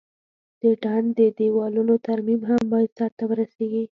د ډنډ د دیوالونو ترمیم هم باید سرته ورسیږي.